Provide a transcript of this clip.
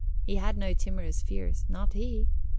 He had no timorous fears, not he.